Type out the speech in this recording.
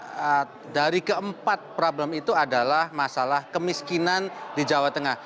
yang menjadi masalah dari keempat problem itu adalah masalah kemiskinan di jawa tengah